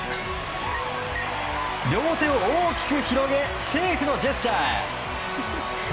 両手を大きく広げセーフのジェスチャー。